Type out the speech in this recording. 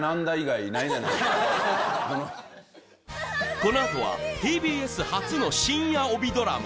このあとはＴＢＳ初の深夜帯ドラマ